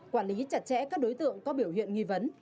quản lý chặt chẽ các đối tượng có biểu hiện nghi vấn